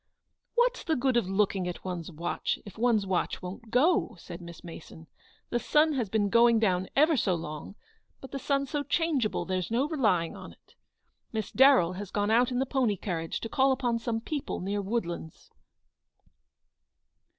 " What's the good of looking at one's watch, if one's watch won't go ?" said Miss Mason ;" the sun has been going down ever so long, but the sun's so changeable, there's no relying on it. Mrs. Darrell has gone out in the pony carriage to call upon some people near Woodlands."